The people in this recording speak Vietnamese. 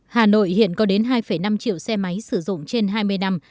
hà nội hiện có đến hai năm triệu xe máy sử dụng trên hai mươi năm